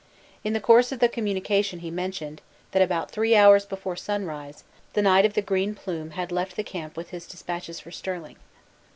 In the course of the communication he mentioned, that about three hours before sunrise, the Knight of the Green Plume had left the camp with his dispatches for Sterling.